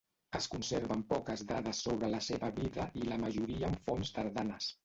Es conserven poques dades sobre la seva vida i la majoria en fonts tardanes.